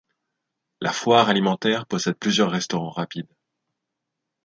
La foire alimentaire possède plusieurs restaurants rapides.